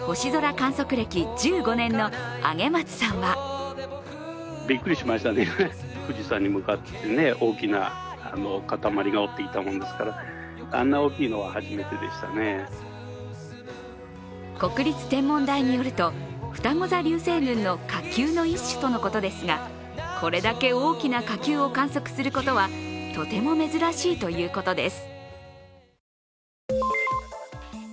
観測歴１５年の上松さんは国立天文台によるとふたご座流星群の火球の一種とのことですがこれだけ大きな火球を観測することはとても珍しいということです。